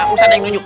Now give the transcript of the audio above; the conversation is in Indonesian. ustadz yang nunjuk